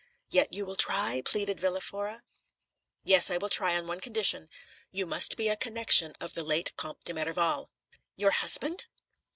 "Yet you will try?" pleaded Villa Fora. "Yet I will try, on one condition. You must be a connection of the late Comte de Merival." "Your husband!"